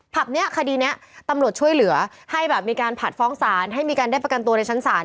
ผับนี้คดีนี้ตำรวจช่วยเหลือให้แบบมีการผัดฟ้องศาลให้มีการได้ประกันตัวในชั้นศาล